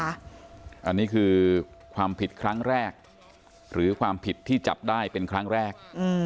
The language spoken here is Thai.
อันนี้คือความผิดครั้งแรกหรือความผิดที่จับได้เป็นครั้งแรก